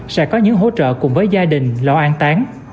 sẽ có những hỗ trợ cùng với gia đình lo an tán